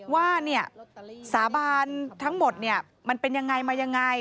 ว่าสาบานทั้งหมดมันเป็นอย่างไรมาอย่างไร